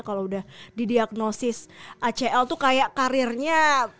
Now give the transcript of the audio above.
kalau udah di diagnosis acl tuh kayak karirnya